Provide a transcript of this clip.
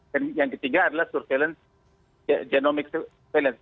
dan yang ketiga adalah surveillance genomic surveillance